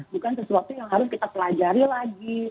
bukan sesuatu yang harus kita pelajari lagi